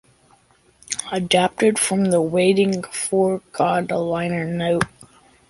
Adapted from the "Waiting for God" liner notes.